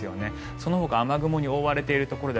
そのほか雨雲に覆われているところで